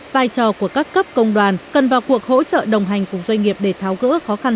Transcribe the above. vai trò của các cấp công đoàn cần vào cuộc hỗ trợ đồng hành cùng doanh nghiệp để tháo gỡ khó khăn